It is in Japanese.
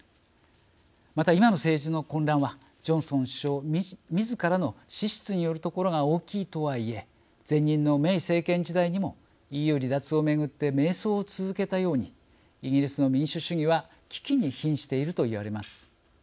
また、今の政治の混乱はジョンソン首相みずからの資質によるところが大きいとはいえ前任のメイ政権時代にもＥＵ離脱を巡って迷走を続けたようにイギリスの民主主義は危機にひんしているといわれます。